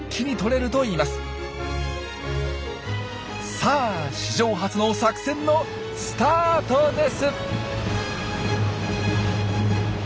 さあ史上初の作戦のスタートです！